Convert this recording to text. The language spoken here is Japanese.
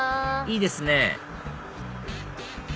いいですね